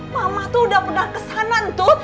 mama tuh udah pernah kesana tut